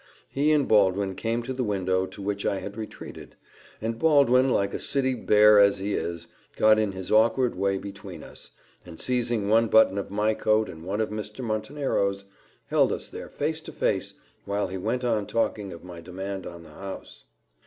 He and Baldwin came to the window to which I had retreated, and Baldwin, like a city bear as he is, got in his awkward way between us, and seizing one button of my coat and one of Mr. Montenero's, held us there face to face, while he went on talking of my demand on the house.